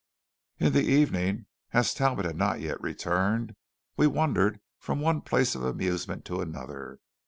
In the evening, as Talbot had not yet returned, we wandered from one place of amusement to another.